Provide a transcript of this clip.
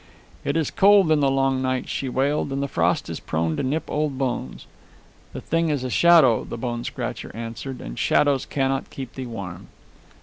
"It is cold in the long nights," she wailed; "and the frost is prone to nip old bones." "The thing is a shadow," the bone scratcher answered, "and shadows cannot keep thee warm."